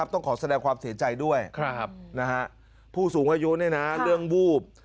ต้องขอแสดงความเสียใจด้วยผู้สูงอายุเรื่องวูบ